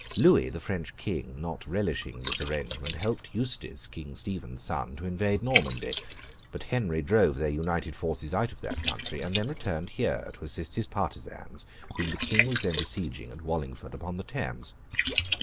Louis, the French King, not relishing this arrangement, helped Eustace, King Stephen's son, to invade Normandy: but Henry drove their united forces out of that country, and then returned here, to assist his partisans, whom the King was then besieging at Wallingford upon the Thames.